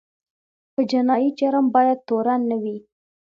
په جنایي جرم باید تورن نه وي.